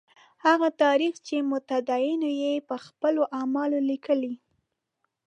هغه تاریخ چې متدینو یې په خپلو اعمالو لیکلی.